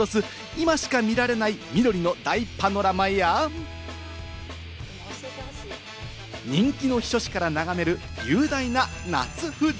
今しか見られない緑の大パノラマや、人気の避暑地から眺める雄大な夏富士。